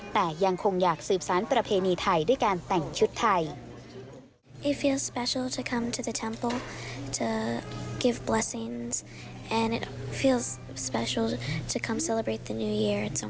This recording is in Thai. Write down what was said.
แต่ยังคงอยากสืบสารประเพณีไทยด้วยการแต่งชุดไทย